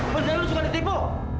beneran lu suka ditipu